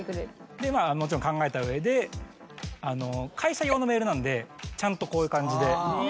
でまぁもちろん考えた上で会社用のメールなのでちゃんとこういう感じで。